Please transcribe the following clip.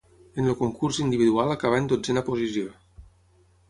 En el concurs individual acabà en dotzena posició.